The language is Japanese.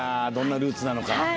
どんなルーツなのか